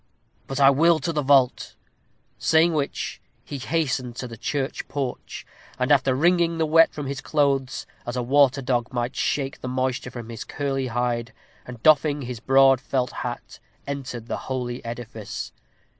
But I will to the vault." Saying which, he hastened to the church porch, and after wringing the wet from his clothes, as a water dog might shake the moisture from his curly hide, and doffing his broad felt hat, he entered the holy edifice.